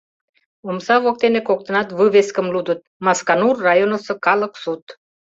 Омса воктене коктынат вывескым лудыт: «Масканур районысо калык суд».